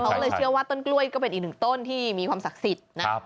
เขาก็เลยเชื่อว่าต้นกล้วยก็เป็นอีกหนึ่งต้นที่มีความศักดิ์สิทธิ์นะครับ